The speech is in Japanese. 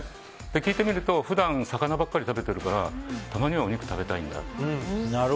聞いてみると普段魚ばっかり食べてるからたまにはお肉食べたいんだって。